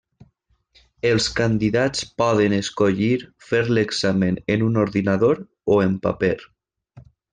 Els candidats poden escollir fer l'examen en un ordinador o en paper.